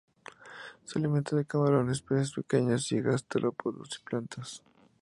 Se alimenta de camarones, peces pequeños, gasterópodos y plantas.